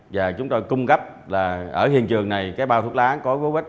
và chúng tôi cung cấp là ở hiện trường này bỏ bao thuốc lá có dấu vết văn tai